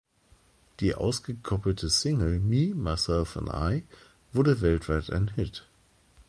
Die ausgekoppelte Single "Me, Myself and I" wurde weltweit ein Hit.